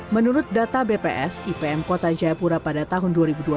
menurut data bps ipm kota jayapura pada tahun dua ribu dua puluh